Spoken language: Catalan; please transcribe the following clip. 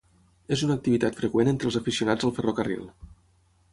És una activitat freqüent entre els aficionats al ferrocarril.